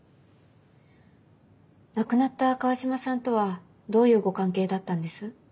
亡くなった川島さんとはどういうご関係だったんです？